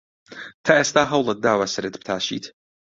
تا ئێستا هەوڵت داوە سەرت بتاشیت؟